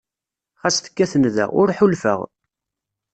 Xas tekkat nda, ur ḥulfeɣ.